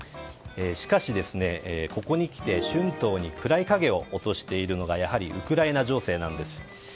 しかし、ここにきて春闘に暗い影を落としているのがやはりウクライナ情勢なんです。